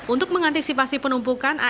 untuk mengantisipasi penumpukan